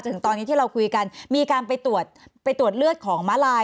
ถึงตอนนี้ที่เราคุยกันมีการไปตรวจไปตรวจเลือดของมาลาย